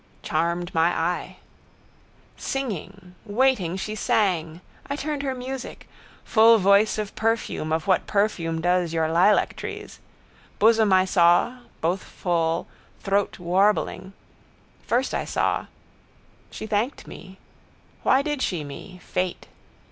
—Charmed my eye... Singing. Waiting she sang. I turned her music. Full voice of perfume of what perfume does your lilactrees. Bosom I saw, both full, throat warbling. First I saw. She thanked me. Why did she me? Fate.